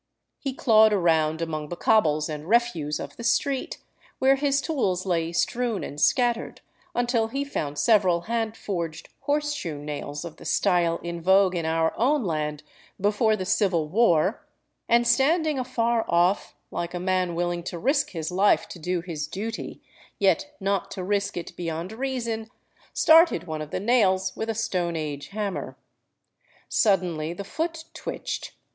He clawed around among the cobbles and refuse of the street, where his tools lay strewn and scattered, until he found several hand forged horseshoe nails of the style in vogue in our own land before the Civil War, and standing afar off, like a man willing to risk his Ufe to do his duty, yet not to risk it beyond reason, started one of the nails with a Stone Age hammer. Suddenly the foot twitched.